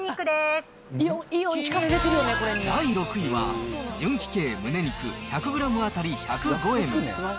第６位は、純輝鶏むね肉１００グラム当たり１０５円。